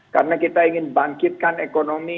karena kita ingin bangkitkan ekonomi